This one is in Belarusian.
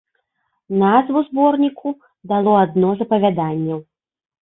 Назву зборніку дало адно з апавяданняў.